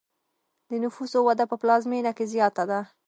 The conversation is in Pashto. د نفوسو وده په پلازمینه کې زیاته ده.